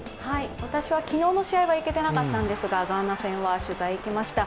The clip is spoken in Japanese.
私は昨日の試合は行けていなかったんですが、ガーナ戦は行きました。